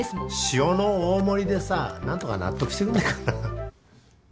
塩の大盛りでさ何とか納得してくんねぇかな。